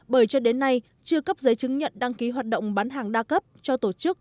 bởi cho đến nay chưa cấp giấy chứng nhận đăng ký hoạt động bán hàng đa cấp cho tổ chức